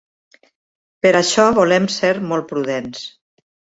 Per això volem ser molt prudents.